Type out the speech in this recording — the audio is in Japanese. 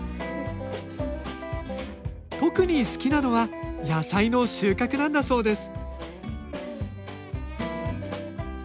特に好きなのは野菜の収穫なんだそうです